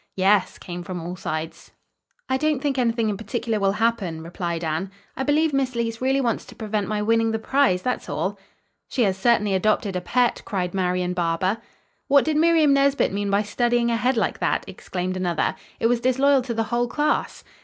"Yes," came from all sides. "I don't think anything in particular will happen," replied Anne. "I believe Miss Leece really wants to prevent my winning the prize. That's all." "She has certainly adopted a pet," cried Marian Barber. "What did Miriam Nesbit mean by studying ahead like that?" exclaimed another. "It was disloyal to the whole class."